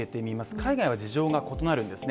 海外は事情が異なるんですね。